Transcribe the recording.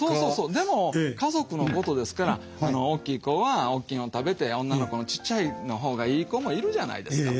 でも家族のことですから大きい子は大きいの食べて女の子のちっちゃいのほうがいい子もいるじゃないですか。